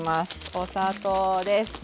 お砂糖です。